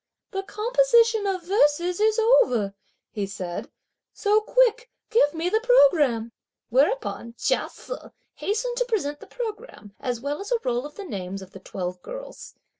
"The composition of verses is over," he said, "so quick give me the programme;" whereupon Chia Se hastened to present the programme as well as a roll of the names of the twelve girls.